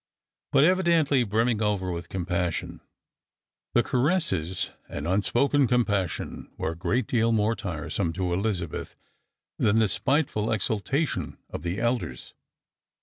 but evidently brimming over with compassion. The caresses an(L unspoken compassion were a great deal more tiresome to Eliza beth than the spiteful exultation of the elders.